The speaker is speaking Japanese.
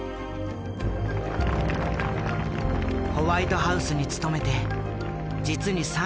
ホワイトハウスに勤めて実に３７年。